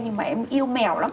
nhưng mà em yêu mèo lắm